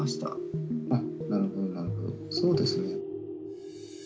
なるほどなるほどそうですね。